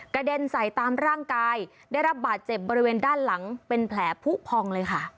เด็นใส่ตามร่างกายได้รับบาดเจ็บบริเวณด้านหลังเป็นแผลผู้พองเลยค่ะ